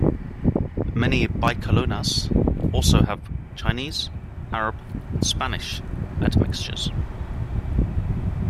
Many Bicolanos also have Chinese, Arab, and Spanish admixtures.